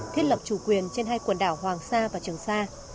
thiết lập chủ quyền trên hai quần đảo hoàng sa và trường sa